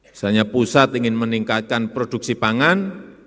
misalnya pusat ingin meningkatkan produksi pangan